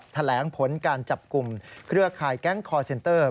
แถลงผลการจับกลุ่มเครือข่ายแก๊งคอร์เซ็นเตอร์